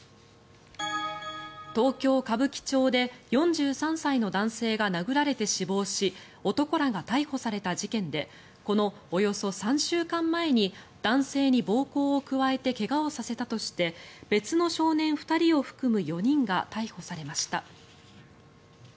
東京・歌舞伎町で４３歳の男性が殴られて死亡し男らが逮捕された事件でこのおよそ３週間前に男性に暴行を加えて怪我をさせたとして別の少年２人を含む４人が逮捕されました。